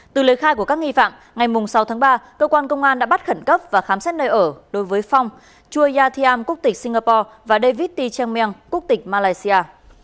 từ lời khai của các nghi phạm ngày sáu tháng ba cơ quan công an đã bắt khẩn cấp và khám xét nơi ở đối với phong chua yathiam quốc tịch singapore và david t changmeng quốc tịch malaysia